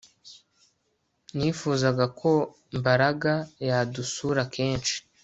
Nifuzaga ko Mbaraga yadusura kenshi